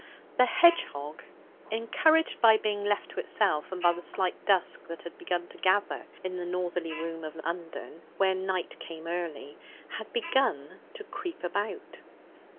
The hedgehog, encouraged by being left to itself, and by the slight dusk that had begun to gather in the northerly rooms of Undern where night came early had begun to creep about.